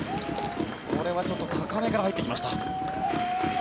これはちょっと高めから入ってきました。